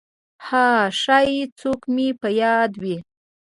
«ها… ښایي څوک مې په یاد وي!»